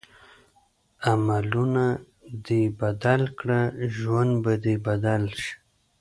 عملونه دې بدل کړه ژوند به دې بدل شي.